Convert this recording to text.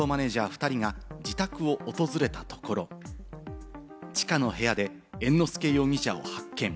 ２人が自宅を訪れたところ、地下の部屋で猿之助容疑者を発見。